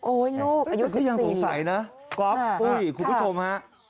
โอ้ยลูกอายุ๑๔แต่ก็ยังสงสัยนะ